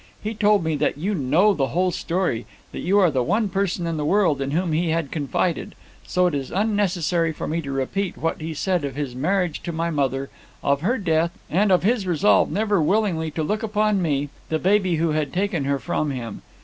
He told me that you know the whole story, that you are the one person in the world in whom he had confided; so it is unnecessary for me to repeat what he said of his marriage to my mother, of her death, and of his resolve never willingly to look upon me, the baby who had taken her from him.